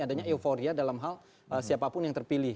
adanya euforia dalam hal siapapun yang terpilih